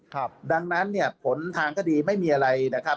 ครับดังนั้นเนี่ยผลทางคดีไม่มีอะไรนะครับ